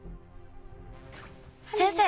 先生。